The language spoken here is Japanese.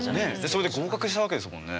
それで合格したわけですもんね。